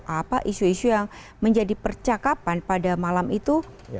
apa isu isu yang menjadi percakapan pada malam itu